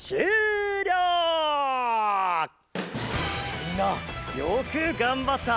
みんなよくがんばった。